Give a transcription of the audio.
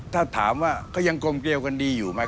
ถ้าถามว่าก็ยังกลมเกลียวกันดีอยู่ไหม